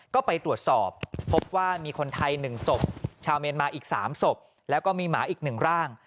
ก็ไปตรวจสอบพบว่ามีคนไทย๑ศพชาวเมียนมาอีก๓ศพแล้วก็มีหมาอีก๑ร่าง